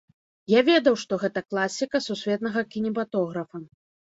Я ведаў, што гэта класіка сусветнага кінематографа.